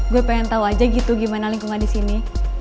gue pengen tau aja gitu gimana lingkungan disini